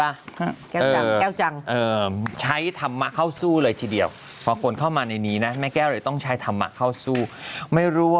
แล้วที่สำคัญที่สุด